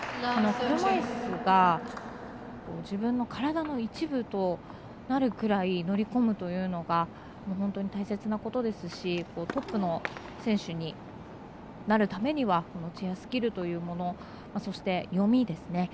車いすが自分の体の一部となるくらい乗り込むというのが本当に大切なことですしトップの選手になるためにはチェアスキルというものそして、読みですね。